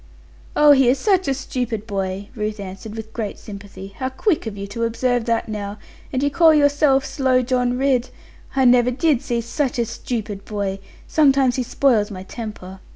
'Oh, he is such a stupid boy,' Ruth answered with great sympathy: 'how quick of you to observe that now: and you call yourself "Slow John Ridd!" I never did see such a stupid boy: sometimes he spoils my temper.